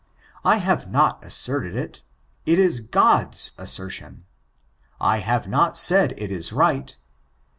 I have not asserted it, it is God's assertion. I have not said it is right.